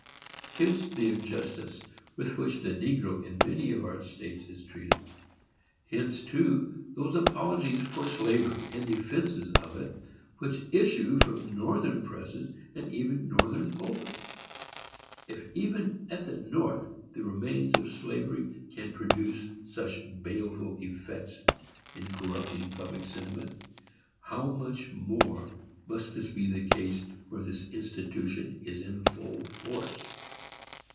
Hence the injustice with which the negro in many of our states is treated. Hence, too, those apologies for slavery, and defences of it, which issue from Northern presses, and even Northern pulpits. If even at the North the remains of slavery can produce such baleful effects in corrupting public sentiment, how much more must this be the case where this institution is in full force!